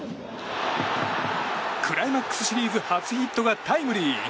クライマックスシリーズ初ヒットがタイムリー。